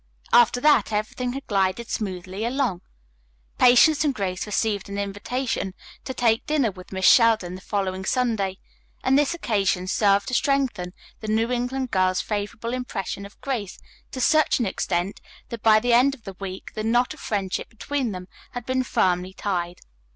After that everything had glided smoothly along. Patience and Grace received an invitation to take dinner with Miss Sheldon the following Sunday, and this occasion served to strengthen the New England girl's favorable impression of Grace to such an extent that by the end of the week the knot of friendship between them had been firmly tied.